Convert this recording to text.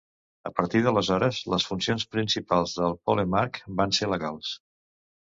A partir d'aleshores les funcions principals del polemarc van ser legals.